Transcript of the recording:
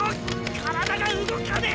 体が動かねえ！